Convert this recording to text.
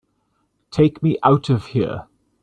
Take me out of here!